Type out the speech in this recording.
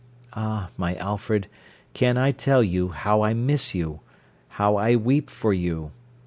Ah, my Alfred, can I tell you how I miss you, how I weep for you?